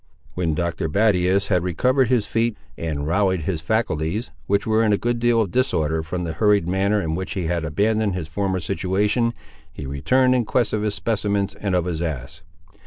When Doctor Battius had recovered his feet, and rallied his faculties, which were in a good deal of disorder from the hurried manner in which he had abandoned his former situation, he returned in quest of his specimens and of his ass.